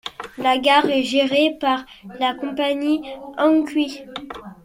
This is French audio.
La gare est gérée par la compagnie Hankyu.